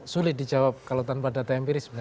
sulit dijawab kalau tanpa data empiris sebenarnya